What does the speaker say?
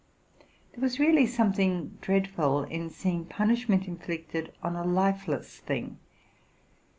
There was really some thing dreadful in seeing punishment inflicted on a lifeless thing.